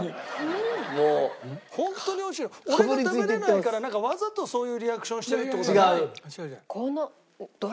俺が食べれないからわざとそういうリアクションをしてるって事はない？